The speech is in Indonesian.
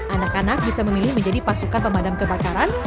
anak anak bisa memilih menjadi pasukan pemadam kebakaran